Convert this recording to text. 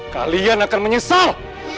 kalian akan menyesal